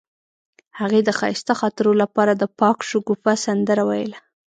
هغې د ښایسته خاطرو لپاره د پاک شګوفه سندره ویله.